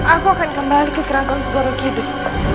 aku akan kembali ke keraton segorok hidup